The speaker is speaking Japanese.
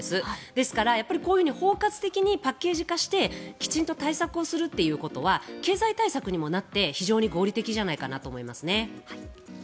ですからこういうふうに包括的にパッケージ化してきちんと対策をするということは経済対策にもなって非常に合理的じゃないかなと思いますね。